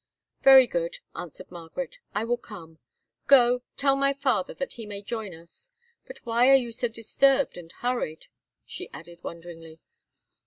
"Very good," answered Margaret, "I will come. Go, tell my father, that he may join us. But why are you so disturbed and hurried?" she added wonderingly.